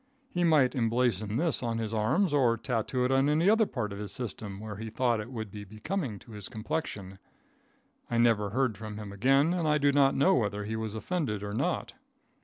He might emblazon this on his arms, or tattoo it on any other part of his system where he thought it would be becoming to his complexion. I never heard from him again, and I do not know whether he was offended or not.